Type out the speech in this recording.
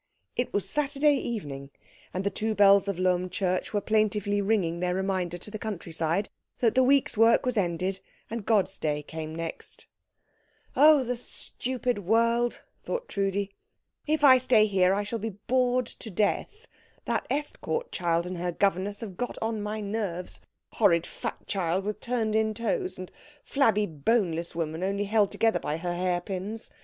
It was Saturday evening, and the two bells of Lohm church were plaintively ringing their reminder to the countryside that the week's work was ended and God's day came next. "Oh, the stupid world," thought Trudi. "If I stay here I shall be bored to death that Estcourt child and her governess have got on to my nerves horrid fat child with turned in toes, and flabby, boneless woman, only held together by her hairpins.